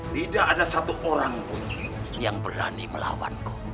tidak ada satu orang pun yang berani melawanku